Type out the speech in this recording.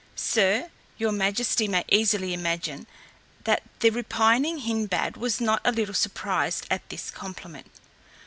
Sir, your majesty may easily imagine, that the repining Hindbad was not a little surprised at this compliment.